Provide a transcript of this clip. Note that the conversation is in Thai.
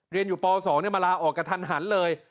เรียนอยู่ป๒มาลาออกกระทันหันเลย